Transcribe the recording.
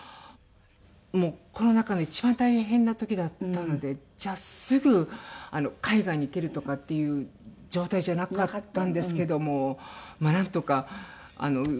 もうコロナ禍の一番大変な時だったのでじゃあすぐ海外に行けるとかっていう状態じゃなかったんですけどもまあなんとか。